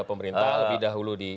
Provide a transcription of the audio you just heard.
pemerintah lebih dahulu di